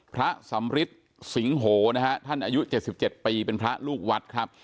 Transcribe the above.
พระสัมฤทธิ์สิงหโหนะฮะท่านอายุเจ็ดสิบเจ็ดปีเป็นพระลูกวัดครับ